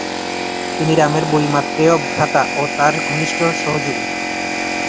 তিনি রামের বৈমাত্রেয় ভ্রাতা ও তার ঘনিষ্ঠ সহযোগী।